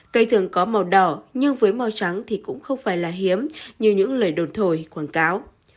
cây thường có màu đỏ nhưng với màu trắng thì cũng không phải là hiếm như những lời đồn thổi quảng cáo